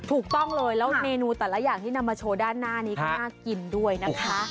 ถูกต้องเลยแล้วเมนูตลาดมาโชว์ด้านหน้านี้ก็น่ากินด้วยนะคะ